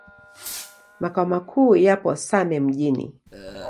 Makao makuu yapo Same Mjini.